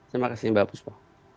terima kasih mbak fuspo